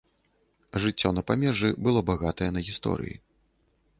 Жыццё на памежжы было багатае на гісторыі.